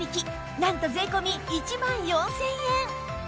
なんと税込１万４０００円